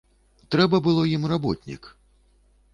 Трэба было ім работнік.